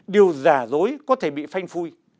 điều giả dối có thể bị phanh phui